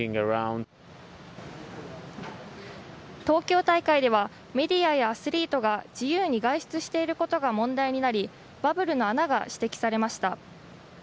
東京大会ではメディアやアスリートが自由に外出していることが問題になりバブルの穴が指摘されました。